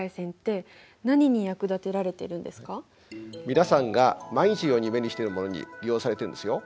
皆さんが毎日のように目にしてるものに利用されているんですよ。